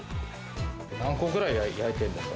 何個くらい焼いてるんですか？